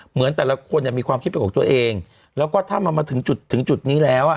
เหมือนแต่ละคนอย่างมีความคิดแปลกของตัวเองแล้วก็ถ้ามันมาถึงจุดนี้แล้ว